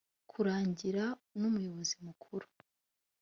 kurangira numuyobozi mukuru.